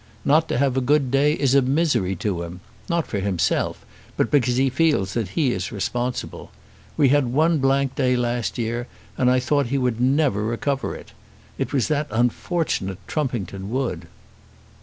Not to have a good day is a misery to him; not for himself but because he feels that he is responsible. We had one blank day last year, and I thought that he never would recover it. It was that unfortunate Trumpington Wood."